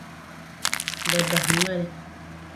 Bɛ bahi noli.